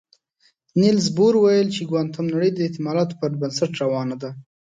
نيلز بور ویل چې کوانتم نړۍ د احتمالاتو پر بنسټ روانه ده.